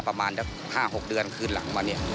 ประมาณ๕๖เดือนขึ้นหลังมานี่